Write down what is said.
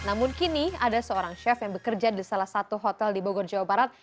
namun kini ada seorang chef yang bekerja di salah satu hotel di bogor jawa barat